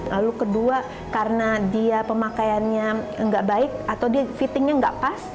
lalu kedua karena dia pemakaiannya nggak baik atau dia fittingnya nggak pas